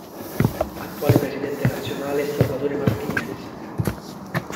Attuale presidente nazionale è Salvatore Martinez..